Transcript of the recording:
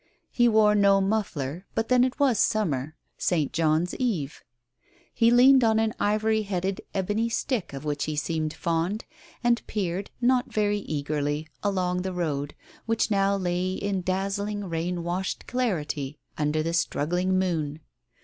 He wore no muffler, but then it was summer — St. John's Eve, He leaned on an ivory headed ebony stick of which he seemed fond, and peered, not very eagerly, along the road, which now lay in dazzling rain washed clarity under the struggling moon.